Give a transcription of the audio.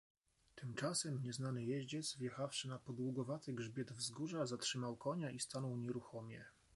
"Tymczasem nieznany jeździec, wjechawszy na podługowaty grzbiet wzgórza, zatrzymał konia i stanął nieruchomie."